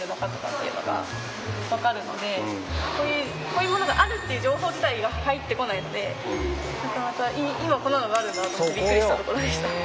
こういうものがあるっていう情報自体が入ってこないので今こんなのがあるんだなと思ってびっくりしたところでした。